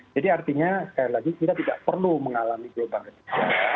jadi artinya sekali lagi kita tidak perlu mengalami gelombang retik